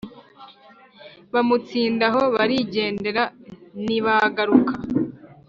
bamutsinda aho barijyendara nibagaruka